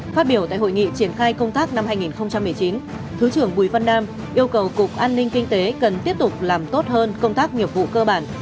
phát biểu tại hội nghị triển khai công tác năm hai nghìn một mươi chín thứ trưởng bùi văn nam yêu cầu cục an ninh kinh tế cần tiếp tục làm tốt hơn công tác nghiệp vụ cơ bản